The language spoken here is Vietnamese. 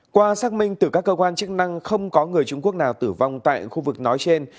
qua xác minh từ các cơ quan chức năng không có người trung quốc nào tử vong tại khu vực nói trên